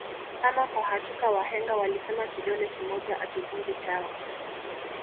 Ama kwa hakika wahenga walisema kidole kimoja akivunji chawa